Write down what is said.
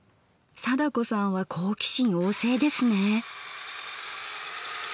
貞子さんは好奇心旺盛ですね。